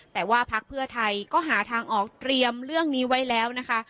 แต่ว่าพักเพื่อไทยก็หาทางออกเตรียมเรื่องนี้ไว้แล้วนะคะ